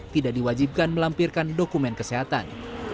tidak diwajibkan melampirkan dokumen kesehatan